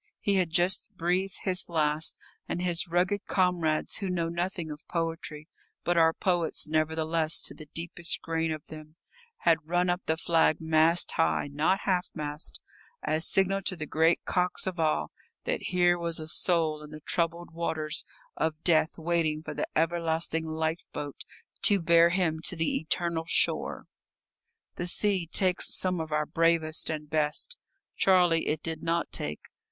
He had just breathed his last, and his rugged comrades, who know nothing of poetry, but are poets nevertheless to the deepest grain of them, had run up the flag mast high (not half mast) as signal to the Great Cox of all that here was a soul in the troubled waters of death waiting for the everlasting lifeboat to bear him to the eternal shore. The sea takes some of our bravest and best. Charlie it did not take.